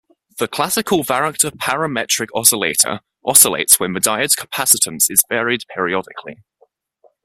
The classical varactor parametric oscillator oscillates when the diode's capacitance is varied periodically.